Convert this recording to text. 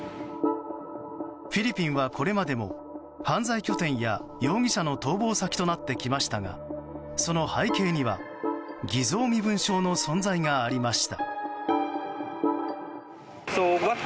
フィリピンはこれまでも犯罪拠点や容疑者の逃亡先となってきましたがその背景には偽造身分証の存在がありました。